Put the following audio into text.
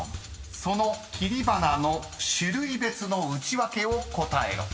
［その切り花の種類別のウチワケを答えろ］